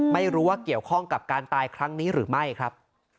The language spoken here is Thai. ไม่รู้ว่าเกี่ยวข้องกับการตายครั้งนี้หรือไม่ครับ